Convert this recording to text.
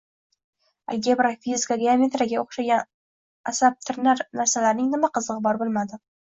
Algebra, fizika, geometriyaga o‘xshagan asabtirnar narsalarning nima qizig‘i bor, bilmadim